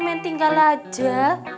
main tinggal aja